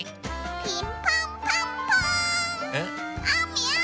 ピンポンパンポーン！